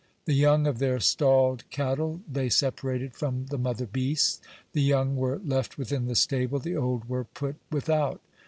The young of their stalled cattle they separated from the mother beasts, the young were left within the stable, the old were put without.